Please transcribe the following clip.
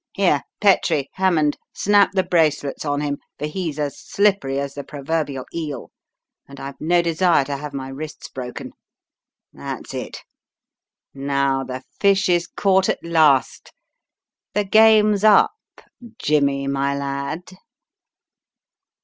Here, Petrie, Hammond, snap the bracelets on him, for he's as slippery as the proverbial eel, and I've no desire to have my wrists broken. That's it! Now the fish is caught at last. The game's up, Jimmy my lad."